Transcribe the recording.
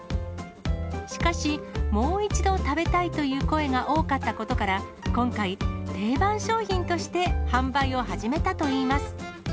しかし、もう一度食べたいという声が多かったことから、今回、定番商品として販売を始めたといいます。